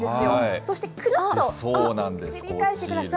そしてくるっとひっくり返してください。